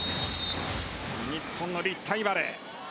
日本の立体バレー。